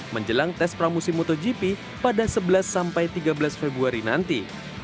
menjelang tes pramusim motogp pada sebelas tiga belas februari nanti